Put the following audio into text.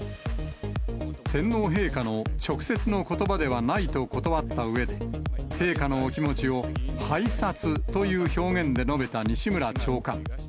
天皇陛下の直接のことばではないと断ったうえで、陛下のお気持ちを、拝察という表現で述べた西村長官。